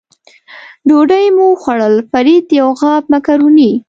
ډوډۍ مو وخوړل، فرید یو غاب مکروني.